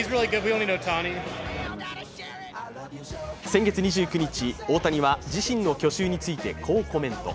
先月２９日、大谷は自身の去就についてこうコメント。